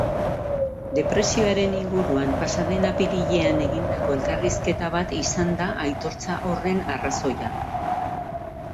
Depresioaren inguruan pasa den apirilean egindako elkarrizketa bat izan da aitortza horren arrazoia.